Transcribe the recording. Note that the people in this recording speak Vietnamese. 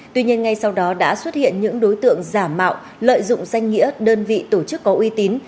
tuy nhiên ngay sau đó đã xuất hiện những đối tượng giả mạo lợi dụng danh nghĩa đơn vị tổ chức có uy tín